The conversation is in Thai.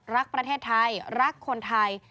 รักประเทศไทยรักคนไทย